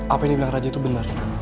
apa yang dibilang raja itu benar